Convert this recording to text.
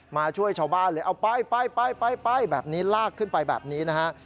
มาช่วยชาวบ้านเลยเอาไปไปแบบนี้ลากขึ้นไปแบบนี้นะฮะ